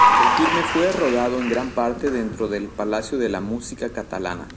El filme fue rodado en gran parte dentro del Palacio de la Música Catalana.